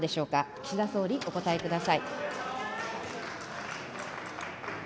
岸田総理、お答えください。